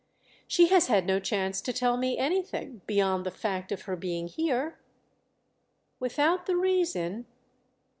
"She has had no chance to tell me anything—beyond the fact of her being here." "Without the reason?"